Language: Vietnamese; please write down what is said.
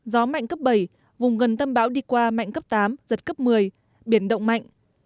gió mạnh cấp bảy vùng gần tâm bão đi qua mạnh cấp tám giật cấp một mươi biển động mạnh